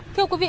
thưa quý vị